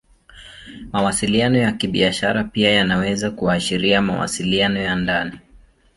Mawasiliano ya Kibiashara pia yanaweza kuashiria mawasiliano ya ndani.